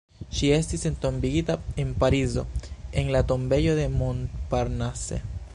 Ŝi estis entombigita en Parizo en la Tombejo de Montparnasse.